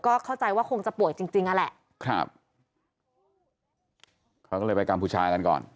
ก็เข้าใจว่าคงจะป่วยจริงจริงนั่นแหละครับเขาก็เลยไปกัมพูชากันก่อน